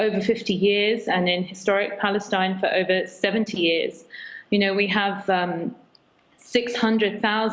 selama lima puluh tahun dan di palestine sejarah sejarah selama tujuh puluh tahun